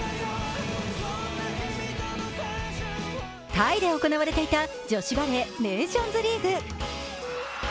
タイで行われていた女子バレー・ネーションズリーグ。